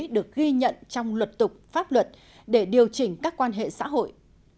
được ghi nhận trong luật tục pháp luật để điều chỉnh các quan hệ xã hội